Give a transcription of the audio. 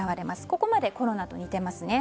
ここまでコロナと似ていますね。